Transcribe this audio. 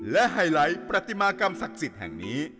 และไฮไลท์ประติมากรรมศักดิ์สิทธิ์แห่งนี้